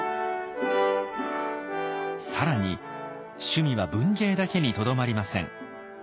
更に趣味は文芸だけにとどまりません。